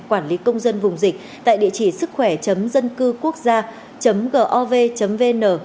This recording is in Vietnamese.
quản lý công dân vùng dịch tại địa chỉ sức khỏe dân cư quốc gia gov vn